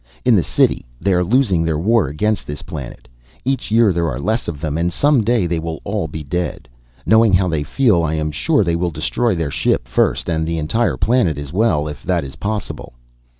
In the city they are losing their war against this planet. Each year there are less of them, and some day they will all be dead. Knowing how they feel I am sure they will destroy their ship first, and the entire planet as well, if that is possible."